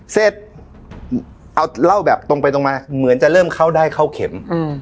เสร็จเอาเล่าแบบตรงไปตรงมาเหมือนจะเริ่มเข้าได้เข้าเข็ม